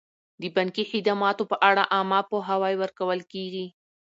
د بانکي خدماتو په اړه عامه پوهاوی ورکول کیږي.